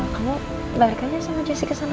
kamu balik aja sama jesse kesana